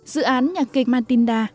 dự án nhạc kịch matinda